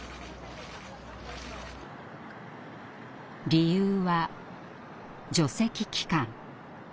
理由は「除斥期間」。